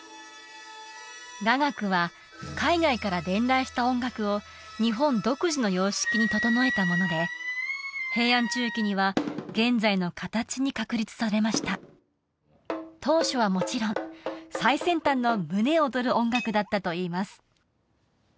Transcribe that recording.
雅楽は海外から伝来した音楽を日本独自の様式に整えたもので平安中期には現在の形に確立されました当初はもちろん最先端の胸躍る音楽だったといいます